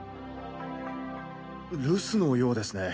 留守のようですね。